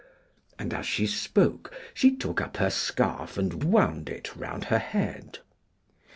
And as she spoke, she took up her scarf and wound it round her head.